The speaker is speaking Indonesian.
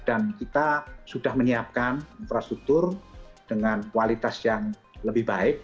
dan kita sudah menyiapkan infrastruktur dengan kualitas yang lebih baik